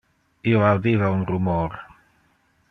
Io audiva un rumor.